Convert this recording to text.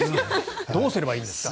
どうすればいいんですか？